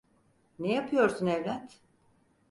Ne yapıyorsun evlat?